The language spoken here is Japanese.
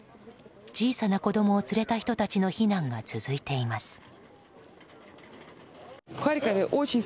小さな子供を連れた人たちの避難が続いています。